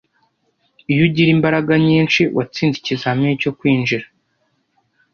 Iyo ugira imbaraga nyinshi, watsinze ikizamini cyo kwinjira.